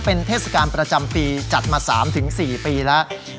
เป็นเทศกาลประจำปีจัดมา๓๔ปีแล้ว